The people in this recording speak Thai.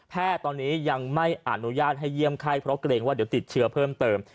ตอนนี้ยังไม่อนุญาตให้เยี่ยมไข้เพราะเกรงว่าเดี๋ยวติดเชื้อเพิ่มเติม